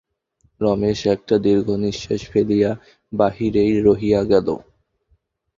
রমেশ একটা দীর্ঘনিশ্বাস ফেলিয়া বাহিরেই রহিয়া গেল।